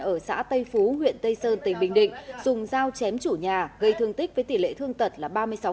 ở xã tây phú huyện tây sơn tỉnh bình định dùng dao chém chủ nhà gây thương tích với tỷ lệ thương tật là ba mươi sáu